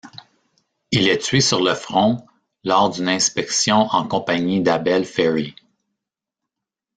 Il est tué sur le front, lors d'une inspection en compagnie d'Abel Ferry.